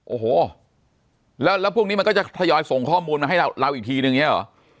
โอ้โหแล้วพวกนี้มันก็จะทยอยส่งข้อมูลมาให้เราอีกทีนึงอย่างนี้เหรอ